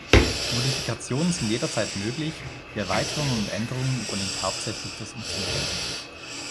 Modifikationen sind jederzeit möglich, die Erweiterungen und Änderungen übernimmt hauptsächlich das Unternehmen.